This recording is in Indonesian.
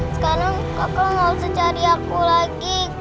sekarang aku gak usah cari aku lagi